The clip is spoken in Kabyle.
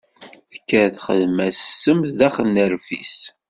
Tekker texdem-as ssem s daxel n rfis.